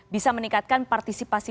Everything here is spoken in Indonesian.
bisa meningkatkan partisipasi